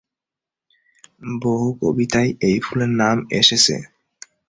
বহু কবিতায় এই ফুলের নাম এসেছে।